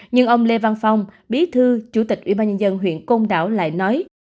nhưng ông lê văn phong bí thư chủ tịch ủy ban nhân dân huyện công đảo lại nói